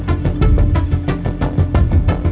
ที่แบบเนี้ยมึงไว้ใจไม่ได้